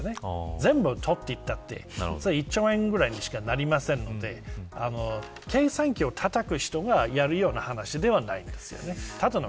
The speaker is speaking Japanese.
全部取ったって１兆円ぐらいにしかなりませんので計算機をたたく人がやるような話ではないですよね。